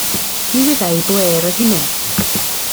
Ni wyddai i ble roedd hi'n mynd.